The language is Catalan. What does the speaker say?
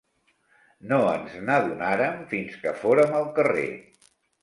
No ens n'adonàrem fins que fórem al carrer.